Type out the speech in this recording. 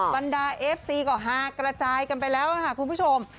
บรรดาเอฟซีก็ฮากระจายกันไปแล้วค่ะคุณผู้ชม